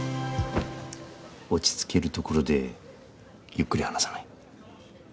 落ち着けるところでゆっくり話さない？